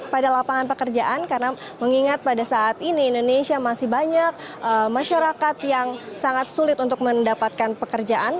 pada lapangan pekerjaan karena mengingat pada saat ini indonesia masih banyak masyarakat yang sangat sulit untuk mendapatkan pekerjaan